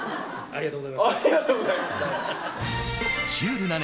ありがとうございますじゃない！